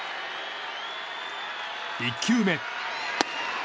１球目。